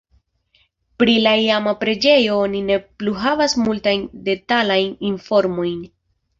Pri la iama preĝejo oni ne plu havas multajn detalajn informojn.